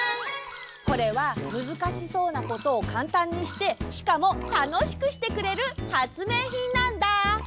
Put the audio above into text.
これはむずかしそうなことをかんたんにしてしかもたのしくしてくれるはつめいひんなんだ！